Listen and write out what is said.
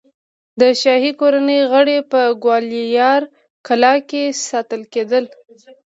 د شاهي کورنۍ غړي په ګوالیار کلا کې ساتل کېدل.